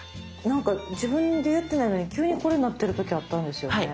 なんか自分でやってないのに急にこれになってる時あったんですよね。